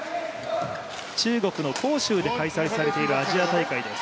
中国の杭州で開催されているアジア大会です。